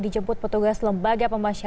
dijemput petugas lembaga pembangsaan